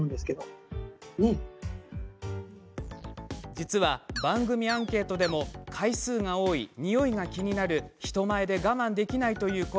実は、番組アンケートでも回数が多い、においが気になる人前で我慢できないという声